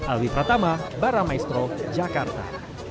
alwi pratama baramaestro jakarta